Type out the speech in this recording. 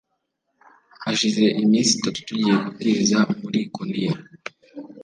hashize iminsiitatu tugiye kubwiriza muri ikoniya